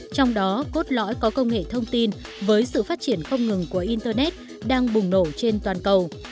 trong đó cốt lõi có công nghệ thông tin với sự phát triển không ngừng của internet đang bùng nổ trên toàn cầu